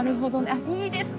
あいいですね